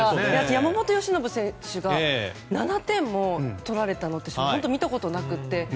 山本由伸選手が７点も取られたのって私、見たことなくて。